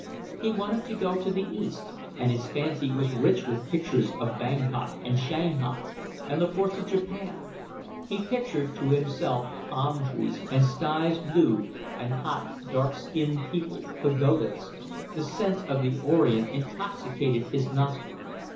He wanted to go to the East; and his fancy was rich with pictures of Bangkok and Shanghai, and the ports of Japan: he pictured to himself palm trees and skies blue and hot, dark skinned people, pagodas; the scents of the Orient intoxicated his nostrils.